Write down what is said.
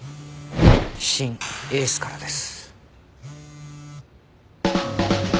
シン・エースからです。